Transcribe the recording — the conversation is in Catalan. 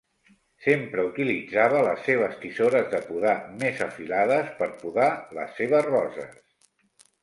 Sempre utilitzava les seves tisores de podar més afilades per podar les seves roses